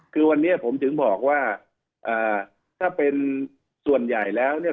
คือวันนี้ผมถึงบอกว่าถ้าเป็นส่วนใหญ่แล้วเนี่ย